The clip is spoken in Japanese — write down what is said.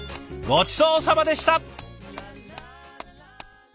ごちそうさまでした。